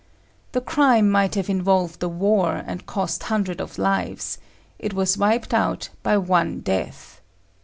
The crime might have involved a war and cost hundreds of lives; it was wiped out by one death.